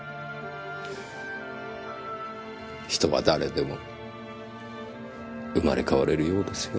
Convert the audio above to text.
人は誰でも生まれ変われるようですよ。